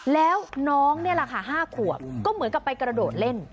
แล้วน้องนี่แหละค่ะ๕ขวบก็เหมือนกับไปกระโดดเล่น